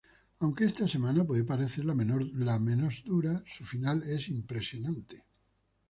Aunque esta semana puede parecer la menos dura, su final es impresionante.